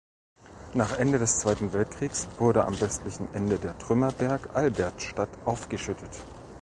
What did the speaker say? Nach Ende des Zweiten Weltkriegs wurde am Westlichen Ende der Trümmerberg Albertstadt aufgeschüttet.